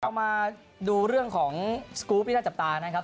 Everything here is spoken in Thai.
มาดูเรื่องของสกรูปที่น่าจับตานะครับ